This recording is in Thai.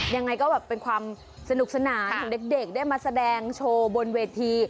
ยังไงก็แบบเป็นความสนุกสนานของเด็กได้มาแสดงโชว์บนเวที